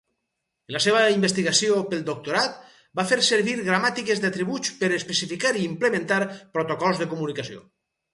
En la seva investigació pel doctorat va fer servir gramàtiques d'atributs per especificar i implementar protocols de comunicació.